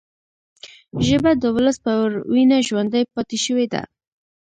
ژبه د ولس پر وینه ژوندي پاتې شوې ده